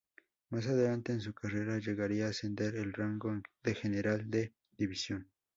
Más adelante en su carrera llegaría a ascender al rango de General de división.